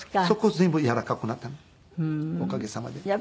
そこ全部軟らかくなったのおかげさまで。